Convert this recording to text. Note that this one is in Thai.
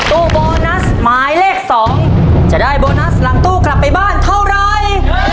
ตู้โบนัสหมายเลข๒จะได้โบนัสหลังตู้กลับไปบ้านเท่าไร